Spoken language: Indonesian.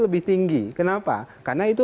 lebih tinggi kenapa karena itu